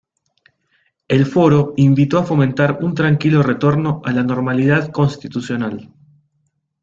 El Foro invitó a fomentar un tranquilo retorno a la normalidad constitucional.